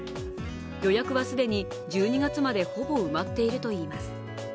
予約は既に１２月までほぼ埋まっているといいます。